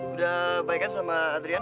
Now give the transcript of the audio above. udah baik kan sama adrian